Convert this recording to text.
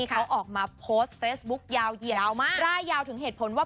เขาออกมาโพสต์เฟซบุ๊คยาวเหยียดยาวมากร่ายยาวถึงเหตุผลว่า